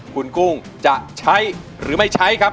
คุณกุ้งจะใช้หรือไม่ใช้ครับ